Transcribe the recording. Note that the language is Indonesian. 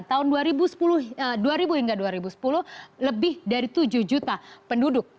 tahun dua ribu hingga dua ribu sepuluh lebih dari tujuh juta penduduk